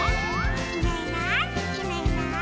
「いないいないいないいない」